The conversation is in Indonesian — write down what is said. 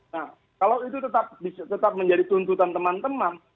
nah kalau itu tetap menjadi tuntutan teman teman